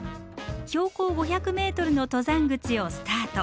標高５００ｍの登山口をスタート。